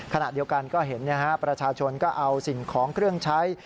ขณะเดียวกันก็เห็นประชาชนก็เอาสิ่งของเครื่องใช้